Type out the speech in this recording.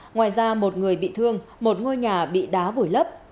ngoài ra một người bị thương một ngôi nhà bị đá vùi lấp